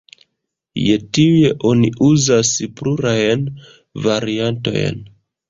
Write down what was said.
Je tiuj oni uzas plurajn variantojn.